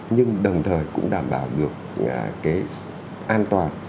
nhưng đồng thời cũng đảm bảo được cái an toàn